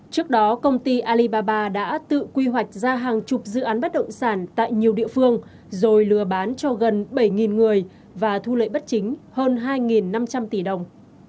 trước đó công ty alibaba đã tự quy hoạch ra hàng chục dự án bất động sản tại nhiều địa phương rồi lừa bán cho gần bảy người và thu lợi bất chính hơn hai năm trăm linh tỷ đồng